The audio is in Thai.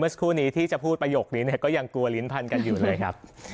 สักครู่นี้ที่จะพูดประโยคนี้ก็ยังกลัวลิ้นพันกันอยู่เลยครับ